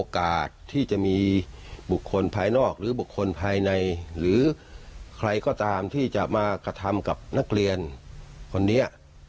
ใครก็ตามที่จะมากระทำกับนักเรียนคนนี้